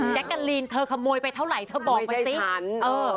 แจ๊กกะลีนเธอขโมยไปเท่าไหร่เธอบอกมาสิ